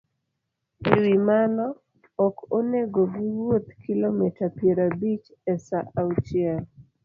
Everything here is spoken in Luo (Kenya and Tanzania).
E wi mano, ok onego giwuoth kilomita piero abich e sa achiel